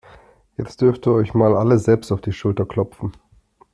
Jetzt dürft ihr euch mal alle selbst auf die Schulter klopfen.